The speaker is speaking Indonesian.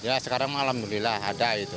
ya sekarang alhamdulillah ada gitu